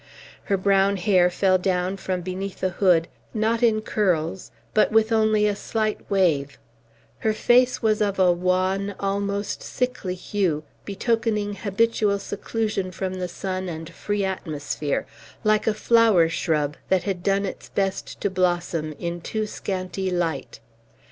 Her brown hair fell down from beneath a hood, not in curls but with only a slight wave; her face was of a wan, almost sickly hue, betokening habitual seclusion from the sun and free atmosphere, like a flower shrub that had done its best to blossom in too scanty light.